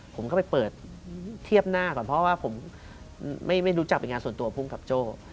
ผมก็ไปเปิดเทียบหน้าก่อนเพราะว่าผมไม่รู้จักเป็นงานส่วนตัวภูมิกับโจ้